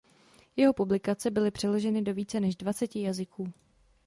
Jeho publikace byly přeloženy do více než dvaceti jazyků.